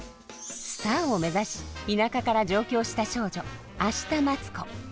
スターを目指し田舎から上京した少女明日待子。